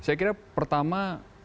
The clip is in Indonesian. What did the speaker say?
saya kira pertama